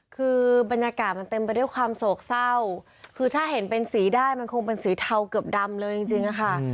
คือบรรยากาศมันเต็มไปด้วยความโศกเศร้าคือถ้าเห็นเป็นสีได้มันคงเป็นสีเทาเกือบดำเลยจริงค่ะ